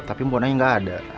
tapi mbak mona yang gak ada